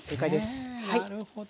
なるほど。